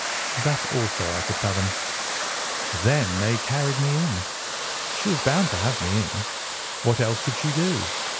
"That also I could fathom." "Then they carried me in. She was bound to have me in. What else could she do?